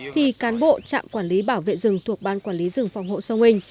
thì cán bộ trạm quản lý bảo vệ rừng thuộc ban quản lý rừng phòng hộ sông hình